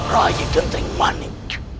rayi gentering manik